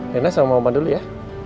herna sama mama dulu ya